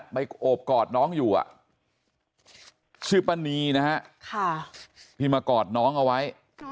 โอบกอดน้องอยู่ชื่อป้านีนะฮะที่มากอดน้องเอาไว้